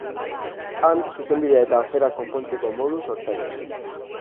Han, Zuzenbidea eta aferak konpontzeko modu sortzailea.